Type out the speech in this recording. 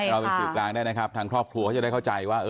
เราเป็นสื่อกลางได้นะครับทางครอบครัวเขาจะได้เข้าใจว่า